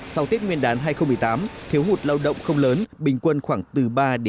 sau tết nguyên đán hai nghìn một mươi tám thiếu hụt lao động không lớn bình quân khoảng từ ba một mươi